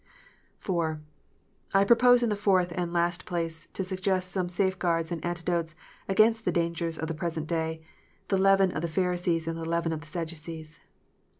IV. I propose, in the fourth and last place, to suggest some safe guards and antidotes against the dangers of the present day, the leaven of the Pharisees and the leaven of the Sadducees.